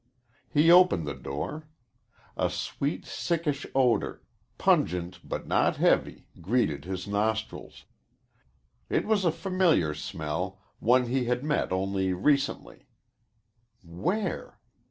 He opened the door. A sweet sickish odor, pungent but not heavy, greeted his nostrils. It was a familiar smell, one he had met only recently. Where?